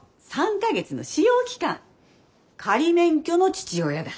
３か月の試用期間仮免許の父親だ。